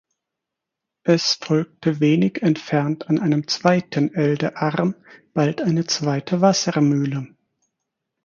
Es folgte wenig entfernt an einem zweiten Eldearm bald eine zweite Wassermühle.